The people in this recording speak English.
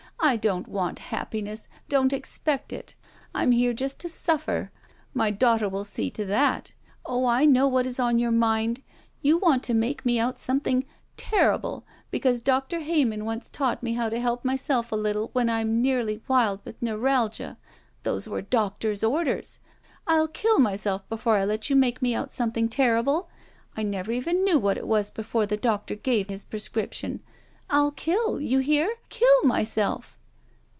I don't want happiness. Don't expect it. I'm here just to suflfer. My daughter will see to that. Oh, I know what is on your mind. You want to make me out something — ^terrible — ^because Doctor Hey man once taught me how to help myself a little when I'm nearly wild with neuralgia. Those were doctor's orders. I'll kill myself before I let you make me out something terrible. I never even knew what it was before the doctor gave his prescription. I'll kill— you hear?— kill myself."